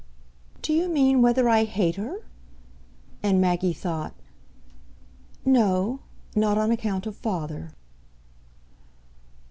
"Do you mean whether I hate her?" and Maggie thought. "No; not on account of father."